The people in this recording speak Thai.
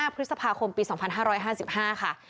พฤษภาคมปี๒๕๕๕ค่ะ